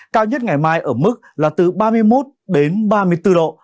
cao nhất ngày mai ở mức là từ ba mươi một đến ba mươi bốn độ